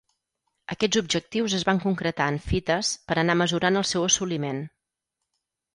Aquests objectius es van concretar en fites per anar mesurant el seu assoliment.